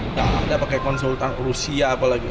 tidak ada pakai konsultan rusia apalagi